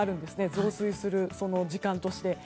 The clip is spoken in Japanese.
増水する時間として。